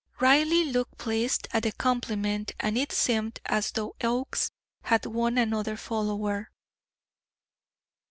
Reilly looked pleased at the compliment, and it seemed as though Oakes had won another follower.